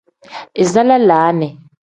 Iza lalaani.